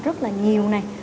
rất là nhiều